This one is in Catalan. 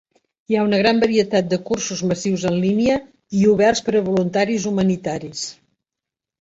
Hi ha una gran varietat de cursos massius en línia i oberts per a voluntaris humanitaris.